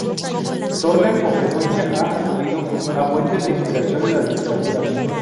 Torner con frecuencia ha acudido a fuentes de inspiración en la literatura.